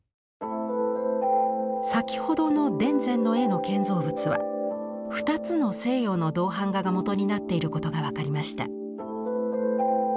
先ほどの田善の絵の建造物は２つの西洋の銅版画が元になっていることが分かりました。